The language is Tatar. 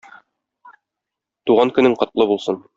Туган көнең котлы булсын!